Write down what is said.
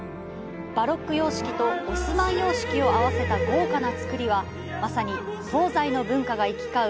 バロック様式とオスマン様式を合わせた豪華な造りはまさに東西の文化が行き交う